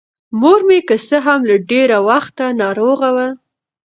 مـور مـې کـه څـه هـم له ډېـره وخـته نـاروغـه وه.